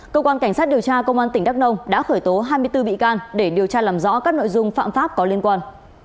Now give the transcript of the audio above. cơ quan cảnh sát điều tra công an tỉnh đắk nông đã khởi tố hai mươi bốn bị can để điều tra làm rõ các nội dung phạm pháp có liên quan